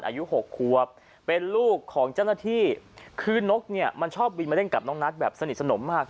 อายุหกควบเป็นลูกของเจ้าหน้าที่คือนกเนี่ยมันชอบบินมาเล่นกับน้องนัทแบบสนิทสนมมาก